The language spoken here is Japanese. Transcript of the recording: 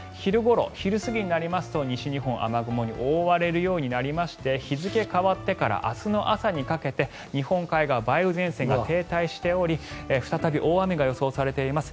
昼過ぎになりますと西日本雨雲に覆われるようになりまして日付が変わってから明日の朝にかけて日本海側梅雨前線が停滞しており再び大雨が予想されています。